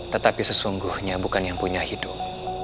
tetapi sesungguhnya bukan yang punya hidup